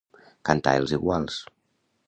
Cantar els iguals.